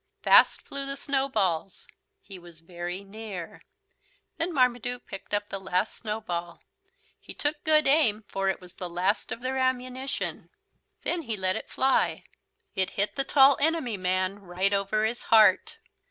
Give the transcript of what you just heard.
Fast flew the snowballs. He was very near. Then Marmaduke picked up the last snowball. He took good aim for it was the last of their ammunition. Then he let it fly. It hit the Tall Enemy Man right over his heart.